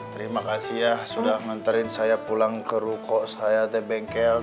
terima kasih ya sudah nganterin saya pulang ke ruko saya teh bengkel